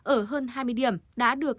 ở hơn hai mươi điểm đã được